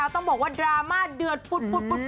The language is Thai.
ต้องบอกว่าดราม่าเดือดพุธ